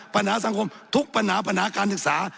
ปัญหาสังคมทุกปัญหาปัญหาการศึกษา